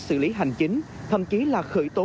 xử lý hành chính thậm chí là khởi tố